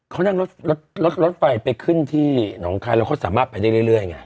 เขานั่งรถรถไฟไปขึ้นที่หนองคายแล้วเขาสามารถไปได้เรื่อยไง